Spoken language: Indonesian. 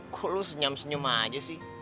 kok lo senyam senyum aja sih